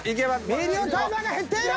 ミリオンタイマーが減っている。